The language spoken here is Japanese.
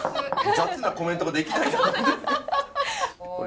雑なコメントができない。